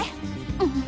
うん。